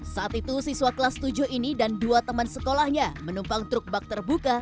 saat itu siswa kelas tujuh ini dan dua teman sekolahnya menumpang truk bak terbuka